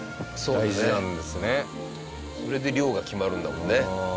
それで量が決まるんだもんね。